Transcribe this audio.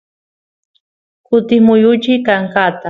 kutis muyuchi kankata